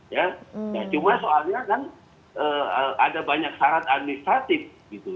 ya cuma soalnya kan ada banyak syarat administratif gitu